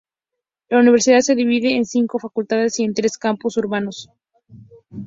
La Universidad se divide en cinco facultades y en tres campus urbanos.